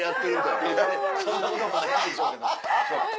いやそんなこともないんでしょうけど。